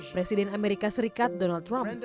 presiden amerika serikat donald trump